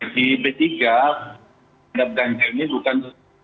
di p tiga ganjar ini bukan